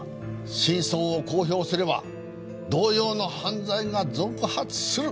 真相を公表すれば同様の犯罪が続発する。